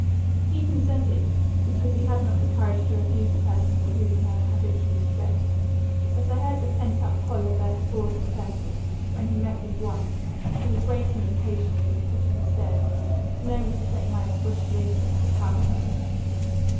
"He consented, because he had not the courage to refuse a person for whom he had an habitual respect; but I heard the pent up choler burst forth in curses, when he met his wife, who was waiting impatiently at the foot of the stairs, to know what effect my expostulations would have on him.